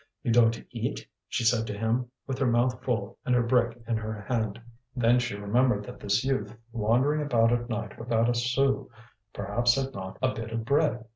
"You don't eat?" she said to him, with her mouth full and her brick in her hand. Then she remembered that this youth, wandering about at night without a sou, perhaps had not a bit of bread.